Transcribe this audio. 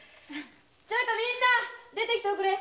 ちょいとみんな出てきておくれ！